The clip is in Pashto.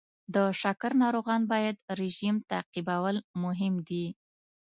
د شکر ناروغان باید رژیم تعقیبول مهم دی.